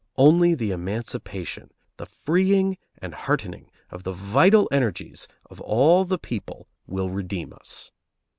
Only the emancipation, the freeing and heartening of the vital energies of all the people will redeem us.